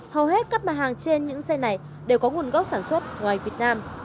hầu hết các mặt hàng trên những xe này đều có nguồn gốc sản xuất ngoài việt nam